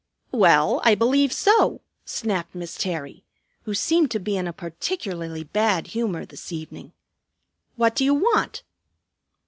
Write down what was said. "Well, I believe so," snapped Miss Terry, who seemed to be in a particularly bad humor this evening. "What do you want?"